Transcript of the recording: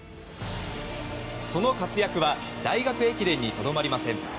その活躍は大学駅伝にとどまりません。